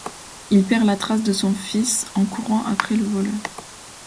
Il perd la trace de son fils en courant après le voleur.